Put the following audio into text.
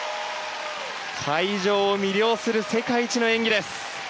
会場を魅了する世界一の演技です。